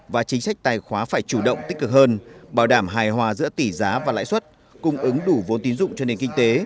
và chính sách tài khóa phải chủ động tích cực hơn bảo đảm hài hòa giữa tỷ giá và lãi suất cung ứng đủ vốn tín dụng cho nền kinh tế